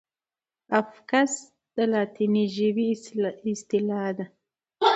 افکس د لاتیني ژبي اصطلاح ده.